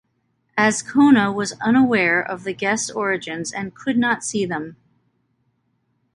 Azcona was unaware of the guests origins and could not see them.